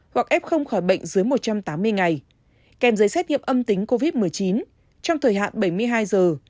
hoặc f khỏi bệnh dưới một trăm tám mươi ngày kèm giấy xét nghiệm âm tính covid một mươi chín trong thời hạn bảy mươi hai giờ